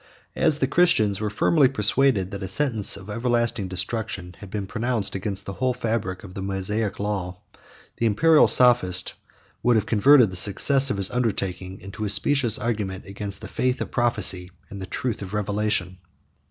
70 As the Christians were firmly persuaded that a sentence of everlasting destruction had been pronounced against the whole fabric of the Mosaic law, the Imperial sophist would have converted the success of his undertaking into a specious argument against the faith of prophecy, and the truth of revelation.